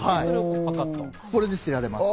これで捨てられます。